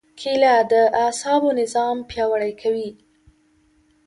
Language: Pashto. کېله د اعصابو نظام پیاوړی کوي.